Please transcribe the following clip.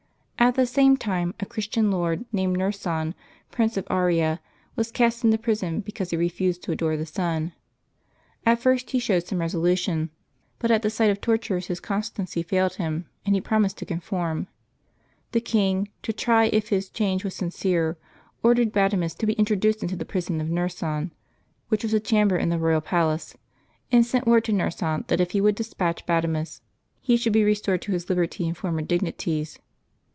At the same time, a Christian lord named Nersan, Prince of Aria, was cast into prison be cause he refused to adore the sun. At first he showed some resolution ; but at the sight of tortures his constancy failed him, and he promised to conform. The king, to try if his change w^as sincere, ordered Bademus to be introduced into the prison of ISTersan, which was a chamber in the royal palace, and sent word to Nersan that if he would despatch Bademus, he should be restored to his liberty and former dignities.